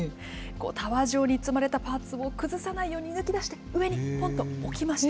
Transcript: タワー状に積まれたパーツを崩さないように抜き出して、上にぽんと置きました。